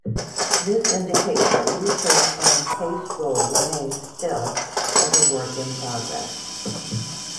This indicates that research on case role remains still as a 'work in progress.'